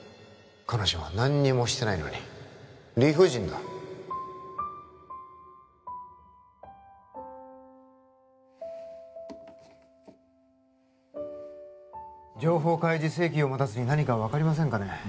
彼女は何もしてないのに理不尽だ情報開示請求を待たずに何か分かりませんかね